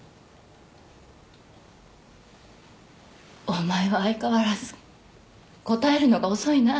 お前は相変わらず答えるのが遅いな。